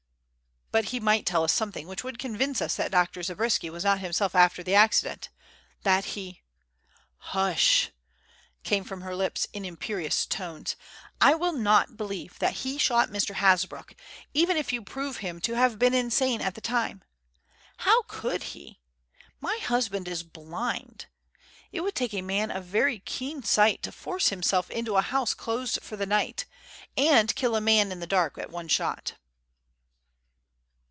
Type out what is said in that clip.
"But he might tell us something which would convince us that Dr. Zabriskie was not himself after the accident; that he " "Hush!" came from her lips in imperious tones. "I will not believe that he shot Mr. Hasbrouck even if you prove him to have been insane at the time. How could he? My husband is blind. It would take a man of very keen sight to force himself into a house closed for the night, and kill a man in the dark at one shot."